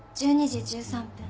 １３時１３分。